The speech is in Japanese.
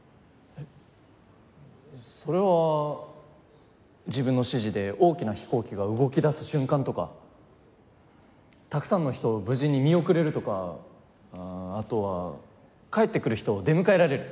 えっそれは自分の指示で大きな飛行機が動き出す瞬間とかたくさんの人を無事に見送れるとかあとは帰ってくる人を出迎えられる。